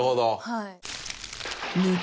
はい。